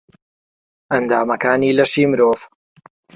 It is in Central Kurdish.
ئەندامەکانی لەشی مرۆڤ